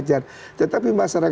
baru datang dari mana mereka belajar